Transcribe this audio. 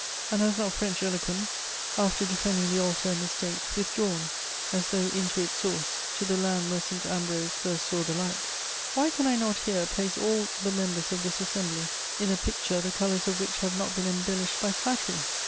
And has not French eloquence, after defending the altar and the State, withdrawn, as though into its source, to the land where St. Ambrose first saw the light? Why can I not here place all the members of this assembly in a picture the colours of which have not been embellished by flattery!